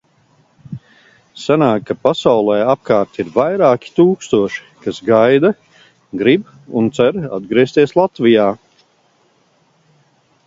Sanāk, ka pasaulē apkārt ir vairāki tūkstoši, kas gaida, grib un cer atgriezties Latvijā.